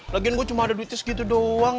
lagian gua cuma ada duitnya segitu doang